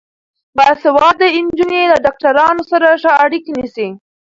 باسواده نجونې له ډاکټرانو سره ښه اړیکه نیسي.